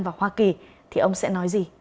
và hoa kỳ thì ông sẽ nói gì